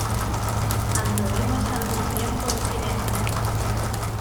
anduvimos algún tiempo en silencio: